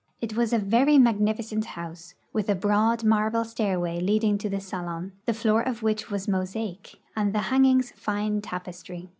It was a very magnificent house, with a broad marlde stairway leading to the salon, the floor of which was mosaic and the hang ings fine tapestry.